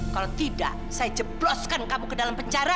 kalau tidak saya jeploskan kamu ke dalam penjara